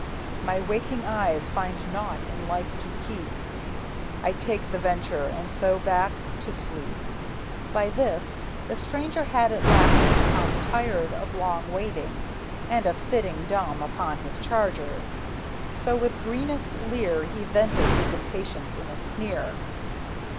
My waking eyes find naught in life to keep; I take the venture, and so back to sleep." By this, the stranger had at last become Tired of long waiting, and of sitting dumb Upon his charger; so with greenest leer He vented his impatience in a sneer.